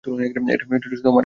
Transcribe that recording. এটা শুধু আমার কাজ নয়।